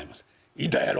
「行たやろ？